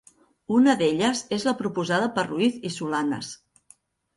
Una d'elles és la proposada per Ruiz i Solanes.